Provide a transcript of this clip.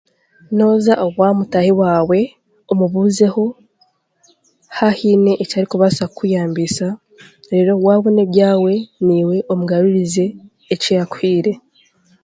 Nooza owaamutaayi waawe omubuzeeho haahaine eki arikubaasa kukuyambisa, reeru waabona ebyahwe naiwe omugarurize ekiyaakuhaire.